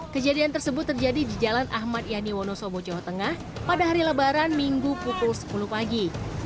kejadian tersebut terjadi di jalan ahmad yani wonosobo jawa tengah pada hari lebaran minggu pukul sepuluh pagi